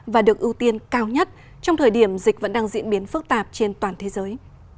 và được ưu tiên cao nhất trong thời điểm dịch vẫn đang diễn biến phức tạp trên toàn thế giới